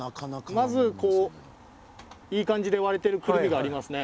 まずこういい感じで割れてるくるみがありますね。